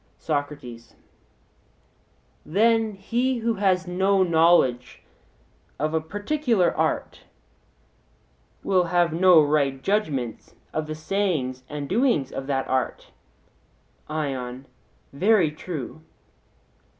SOCRATES: Then he who has no knowledge of a particular art will have no right judgment of the sayings and doings of that art? ION: Very true.